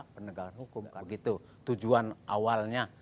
penegakan hukum begitu tujuan awalnya